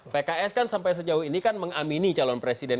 pks kan sampai sejauh ini kan mengamini calon presiden